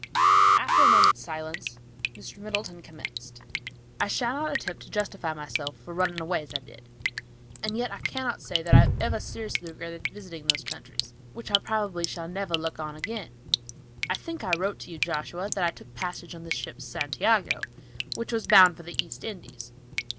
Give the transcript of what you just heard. After a moment's silence Mr. Middleton commenced: "I shall not attempt to justify myself for running away as I did, and yet I cannot say that I have ever seriously regretted visiting those countries, which I probably shall never look upon again. I think I wrote to you, Joshua, that I took passage on the ship Santiago, which was bound for the East Indies.